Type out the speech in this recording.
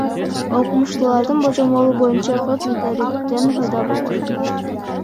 Окумуштуулардын божомолу боюнча көл метеориттен пайда болгон.